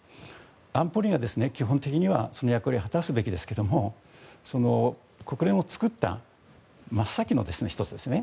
安保理が基本的にはその役割を果たすべきですけども国連を作った真っ先の１つですね。